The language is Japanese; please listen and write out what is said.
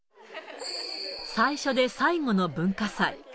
最初で最後の文化祭。